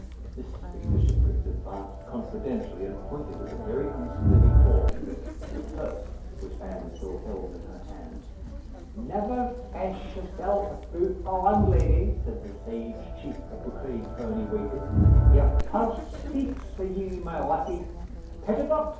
Mr. Bishopriggs advanced confidentially, and pointed with a very unsteady forefinger to the purse which Anne still held in her hand. "Never fash yoursel' aboot the landleddy!" said the sage chief of the Craig Fernie waiters. "Your purse speaks for you, my lassie. Pet it up!"